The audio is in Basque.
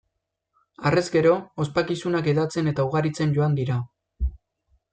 Harrez gero, ospakizunak hedatzen eta ugaritzen joan dira.